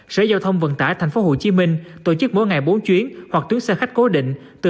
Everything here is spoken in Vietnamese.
hai nghìn một mươi một sở giao thông vận tải tp hcm tổ chức mỗi ngày bốn chuyến hoặc tuyến xe khách cố định từ